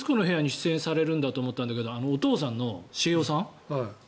「徹子の部屋」に出演されると思ったんだけどお父さんの茂雄さん。